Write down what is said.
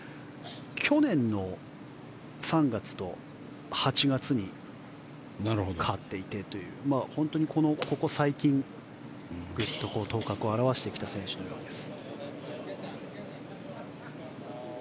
去年の３月と８月に勝っていてという本当にここ最近頭角を現してきた選手のようです。